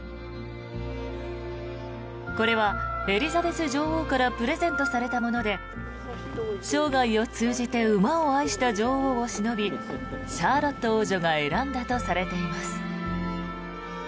これはエリザベス女王からプレゼントされたもので生涯を通じて馬を愛した女王をしのびシャーロット王女が選んだとされています。